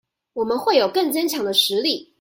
我們會有更堅強的實力